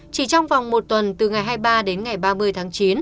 chỉ trong vòng một tuần từ ngày hai mươi ba đến ngày ba mươi tháng chín